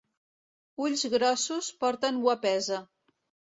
Ulls grossos porten guapesa.